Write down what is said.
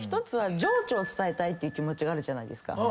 １つは情緒を伝えたいっていう気持ちがあるじゃないですか。